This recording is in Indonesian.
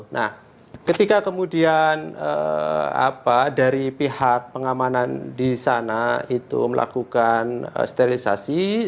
nah ketika kemudian dari pihak pengamanan di sana itu melakukan sterilisasi